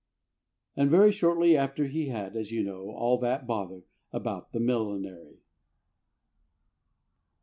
[And very shortly after he had, as you know, all that bother about the millinery.